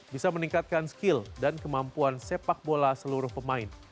bisa meningkatkan skill dan kemampuan sepak bola seluruh pemain